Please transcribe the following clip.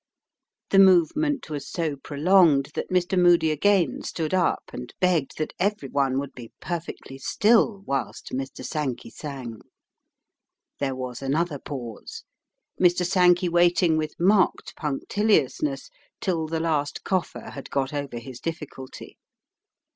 The movement was so prolonged that Mr. Moody again stood up, and begged that every one would be "perfectly still whilst Mr. Sankey sang." There was another pause, Mr. Sankey waiting with marked punctiliousness till the last cougher had got over his difficulty.